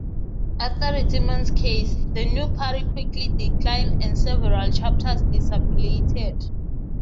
After the Timmons case, the New Party quickly declined and several chapters disaffiliated.